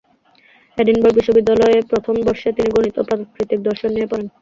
Edinburgh বিশ্ববিদ্যালয়ে প্রথম বর্ষে তিনি গণিত ও প্রাকৃতিক দর্শন নিয়ে পড়েন।